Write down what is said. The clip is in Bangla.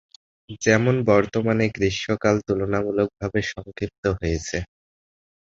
যেমন বর্তমানে গ্রীষ্মকাল তুলনামূলকভাবে সংক্ষিপ্ত হয়েছে।